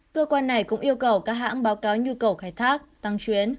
cơ quan này cũng yêu cầu các hãng báo cáo nhu cầu khai thác tăng chuyến